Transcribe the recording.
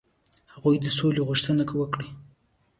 هغوی د سولي غوښتنه وکړي.